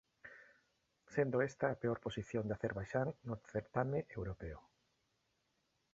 Sendo esta a peor posición de Acerbaixán no certame europeo.